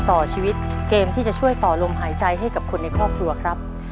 ต่อชีวิตเกมที่จะช่วยต่อลมหายใจให้กับคนในครอบครัวครับ